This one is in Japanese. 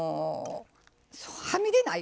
はみ出ない。